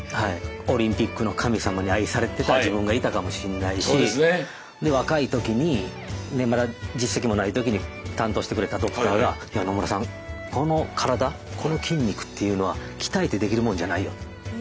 オリンピックの神様に愛されてた自分がいたかもしんないし若い時にまだ実績もない時に担当してくれたドクターが「いや野村さんこの体この筋肉っていうのは鍛えてできるもんじゃないよ」と。